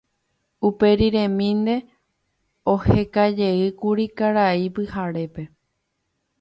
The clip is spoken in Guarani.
Uperiremínte ohekajeýkuri Karai Pyharépe.